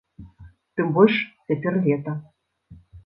Тым больш, цяпер лета!